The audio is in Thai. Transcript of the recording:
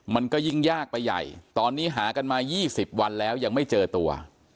มันก็ยิ่งยากไปใหญ่ตอนนี้หากันมา๒๐วันแล้วยังไม่เจอตัว